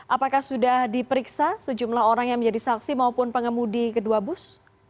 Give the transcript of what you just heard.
apakah sudah diperiksa sejumlah orang yang menjadi saksi maupun pengemudi kedua bus